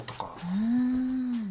うん。